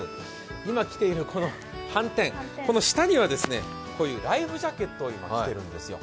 今、着ているはんてん、この下にはこういうライフジャケットを着ているんですよ。